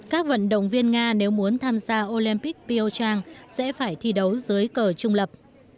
các vận động viên nga nếu muốn tham gia olympic piochang sẽ phải thi đấu dưới cờ trung lập